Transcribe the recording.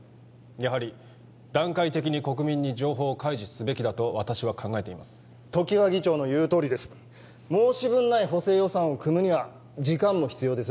やはり段階的に国民に情報を開示すべきだと私は考えています常盤議長の言うとおりです申し分ない補正予算を組むには時間も必要です